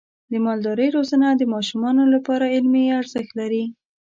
د مالدارۍ روزنه د ماشومانو لپاره علمي ارزښت لري.